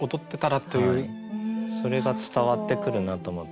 それが伝わってくるなと思って。